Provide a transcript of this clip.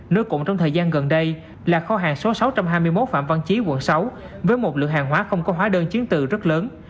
nơi cụm trong thời gian gần đây là kho hàng số sáu trăm hai mươi một phạm văn chí quận sáu với một lượng hàng hóa không có hóa đơn chiến từ rất lớn